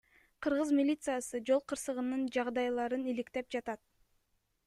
Кыргыз милициясы жол кырсыгынын жагдайларын иликтеп жатат.